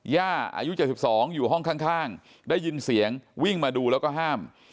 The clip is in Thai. อายุ๗๒อยู่ห้องข้างได้ยินเสียงวิ่งมาดูแล้วก็ห้าม